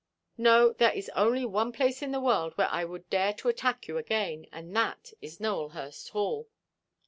"No. There is only one place in the world where I would dare to attack you again, and that is Nowelhurst Hall."